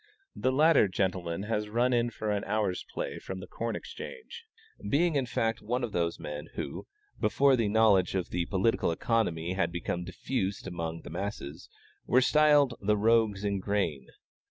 The latter gentleman has run in for an hour's play from the Corn Exchange, being in fact one of those men who, before the knowledge of Political Economy had become diffused amongst the masses, were styled "the rogues in grain."